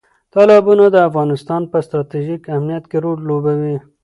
تالابونه د افغانستان په ستراتیژیک اهمیت کې رول لوبوي.